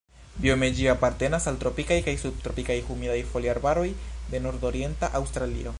Biome ĝi apartenas al tropikaj kaj subtropikaj humidaj foliarbaroj de nordorienta Aŭstralio.